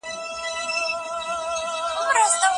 په مابينځ کي یو لوړ او پوخ دېوال جوړ سوی و.